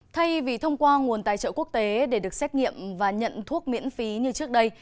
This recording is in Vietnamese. thay vì thông qua nguồn tài trợ quốc tế để được xét nghiệm và nhận thuốc miễn phí như trước đây